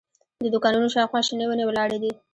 د دوکانونو شاوخوا شنې ونې ولاړې دي.